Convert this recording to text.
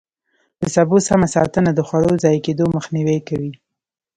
د سبو سمه ساتنه د خوړو ضایع کېدو مخنیوی کوي.